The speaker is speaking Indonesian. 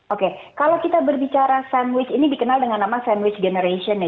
oke kalau kita berbicara sandwich ini dikenal dengan nama sandwich generation ya